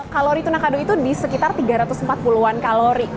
kalori tuna kado itu di sekitar tiga ratus empat puluh an kalori